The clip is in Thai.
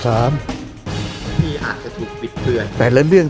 ที่อาจจะถูกติดเพื่อย